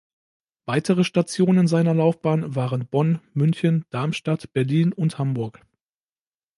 Weitere Stationen seiner Laufbahn waren Bonn, München, Darmstadt, Berlin und Hamburg.